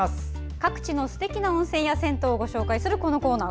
各地のすてきな温泉や銭湯をご紹介するこのコーナー。